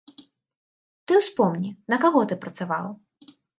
Ты ўспомні, на каго ты працаваў?